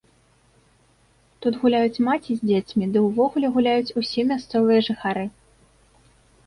Тут гуляюць маці з дзецьмі ды ўвогуле гуляюць усе мясцовыя жыхары.